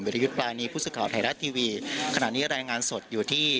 ยุทธ์ปรานีผู้สื่อข่าวไทยรัฐทีวีขณะนี้รายงานสดอยู่ที่